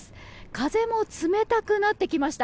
風も冷たくなってきました。